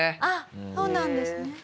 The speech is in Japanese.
あっそうなんですね。